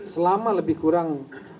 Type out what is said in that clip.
selama lebih kurang